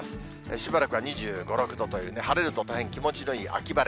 しばらくは２５、６度という晴れると大変気持ちのいい秋晴れ。